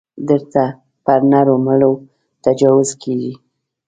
دلته پر نرو مړو تجاوز کېږي.